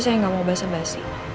cak nanti aku mau kumpul tablets